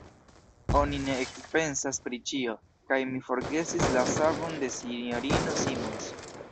Oni ne ekpensas pri ĉio, kaj mi forgesis la savon de S-ino Simons.